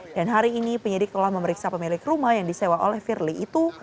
dan hari ini penyidik telah memeriksa pemilik rumah yang disewa oleh firly itu